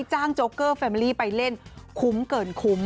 ที่จ้างโจเกอร์แฟมัลีไปเล่นคุ้มเกินคุ้ม